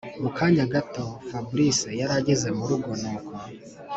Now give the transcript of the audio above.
mukanya gato fabric yarageze murugo nuko